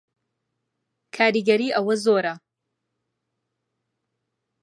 کاریگەری ئەوە زۆرە